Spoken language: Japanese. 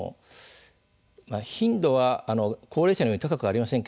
頻度は高齢者のように高くはありません